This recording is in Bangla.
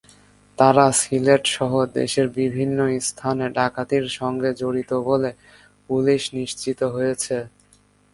তাঁরা সিলেটসহ দেশের বিভিন্ন স্থানে ডাকাতির সঙ্গে জড়িত বলে পুলিশ নিশ্চিত হয়েছে।